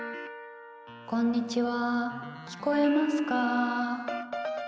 「こんにちは聞こえますか」